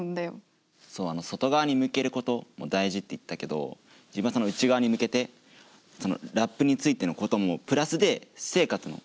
外側に向けることも大事って言ったけど自分はその内側に向けてそのラップについてのこともプラスで私生活の仕事をしなきゃ。